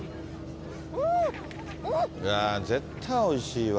うわー、絶対おいしいわ。